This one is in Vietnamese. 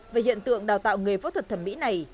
về hiện tượng đào tạo nghề phẫu thuật thẩm mỹ này